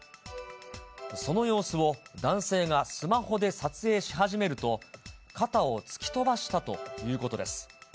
その様子を男性がスマホで撮影し始めると、肩を突き飛ばしたということです。